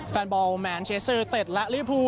แฟนบอลแมนเชสเตอร์เต็ดและลิภู